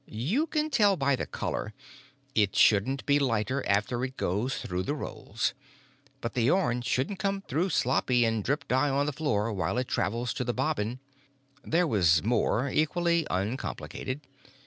You can tell by the color; it shouldn't be lighter after it goes through the rolls. But the yarn shouldn't come through sloppy and drip dye on the floor while it travels to the bobbin——" There was some more, equally uncomplicated.